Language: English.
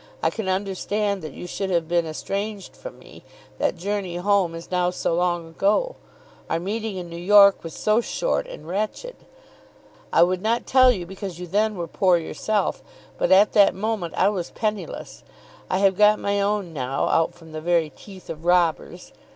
I can understand that you should have been estranged from me. That journey home is now so long ago! Our meeting in New York was so short and wretched. I would not tell you because you then were poor yourself, but at that moment I was penniless. I have got my own now out from the very teeth of robbers."